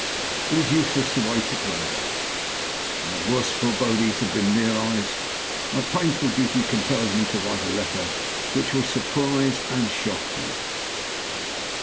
It is useless to wait longer. My worst forebodings have been realized: my painful duty compels me to write a letter which will surprise and shock you.